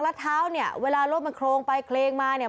แล้วเท้าเนี่ยเวลารถมันโครงไปเคลงมาเนี่ย